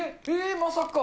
まさか。